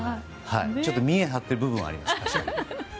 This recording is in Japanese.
ちょっと見えを張っている部分はあります。